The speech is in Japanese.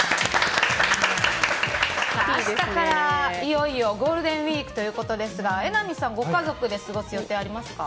明日からいよいよゴールデンウィークですが榎並さん、ご家族で過ごす予定はありますか。